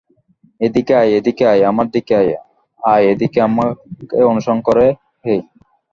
এইদিকে আয় এইদিকে আয় আমার দিকে আয় আয় এইদিকে আমাক অনুসরন কর হেই!